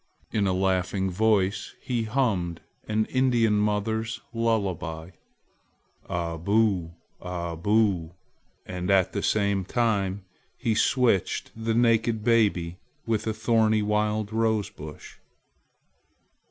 In a laughing voice he hummed an Indian mother's lullaby, "A boo! Aboo!" and at the same time he switched the naked baby with a thorny wild rose bush.